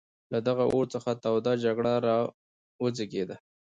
له دغه اور څخه توده جګړه را وزېږېده.